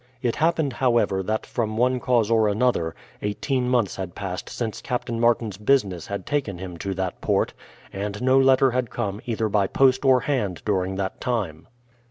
It happened, however, that from one cause or another, eighteen months had passed since Captain Martin's business had taken him to that port, and no letter had come either by post or hand during that time.